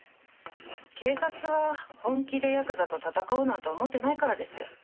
警察は本気でヤクザと戦おうなんて思ってないからですよ。